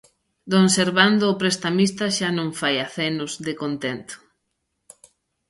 Don Servando o Prestamista xa non fai acenos de contento.